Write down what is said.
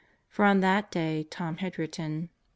For on that day Tom had written